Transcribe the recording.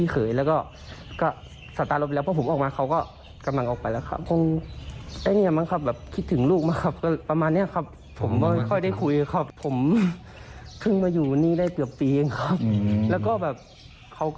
ก็แบบคือไม่ค่อยได้เจออีกแล้ว